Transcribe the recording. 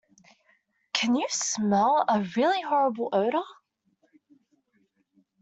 Can you smell a really horrible odour?